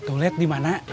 tuh liat di mana